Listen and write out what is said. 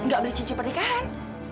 gak beli cincin pernikahan